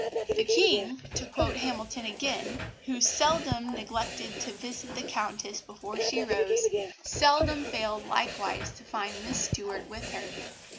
"The King," to quote Hamilton again, "who seldom neglected to visit the Countess before she rose, seldom failed likewise to find Miss Stuart with her.